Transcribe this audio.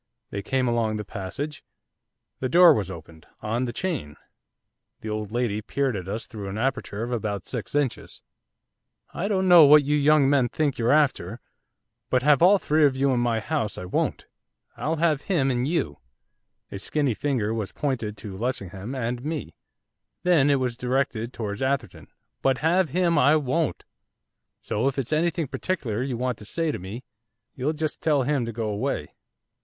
They came along the passage. The door was opened 'on the chain.' The old lady peered at us through an aperture of about six inches. 'I don't know what you young men think you're after, but have all three of you in my house I won't. I'll have him and you' a skinny finger was pointed to Lessingham and me; then it was directed towards Atherton 'but have him I won't. So if it's anything particular you want to say to me, you'll just tell him to go away.